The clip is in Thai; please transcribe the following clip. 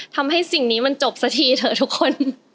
ทำให้สิ่งนี้มันจบสักทีเถอะทุกคน